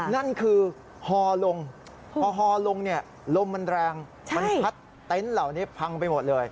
นั่นคือฮอลงพอฮอลงเนี่ยลมมันแรงมันพัดเต็นต์เหล่านี้พังไปหมดเลย